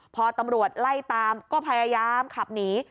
พอตำรวจไล่ตามก็พยายามขับหนี